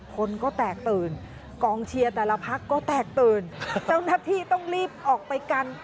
คนก็แตกตื่นกองเชียร์แต่ละพักก็แตกตื่นเจ้าหน้าที่ต้องรีบออกไปกัน